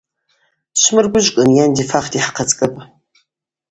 Дшвмыргвыжвкӏхын, йан дифахтӏ, йхӏхъацкӏыпӏ.